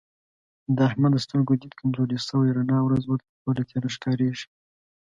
د احمد د سترګو دید کمزوری شوی رڼا ورځ ورته توره تیاره ښکارېږي.